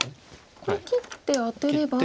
これ切ってアテれば。